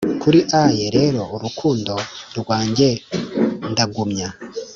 kuri aye rero urukundo rwanjye ndagumya